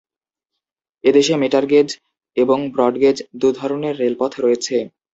এদেশে মিটারগেজ এবং ব্রডগেজ-দু'ধরনের রেলপথ রয়েছে।